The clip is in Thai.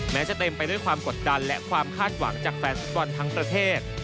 แม้จะเต็มไปด้วยความกดดันและความคาดหวังจากแฟนฟุตบอลทั้งประเทศ